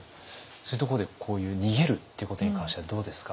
そういうところでこういう逃げるっていうことに関してはどうですか？